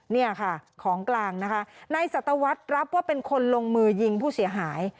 เนี่ยค่ะของกลางนะคะนายสัตวรรษรับว่าเป็นคนลงมือยิงผู้เสียหาย